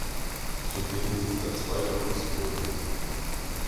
Zudem besitzt er zwei Lacoste-Läden.